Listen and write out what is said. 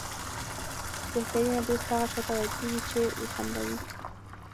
بهترینه دوست هغه چاته ویل کېږي چې وخندوي.